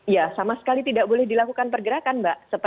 ya sama sekali tidak boleh dilakukan pergerakan mbak